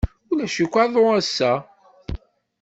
Ulac akk aḍu ass-a.